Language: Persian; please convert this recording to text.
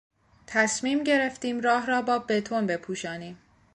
تصمیم گرفتیم راه را با بتون بپوشانیم.